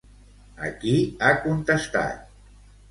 A qui ha contestat?